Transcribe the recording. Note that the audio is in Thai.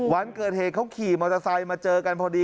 วันเกิดเหตุเขากลิ่นรถไซน์มาเจอกันพอดี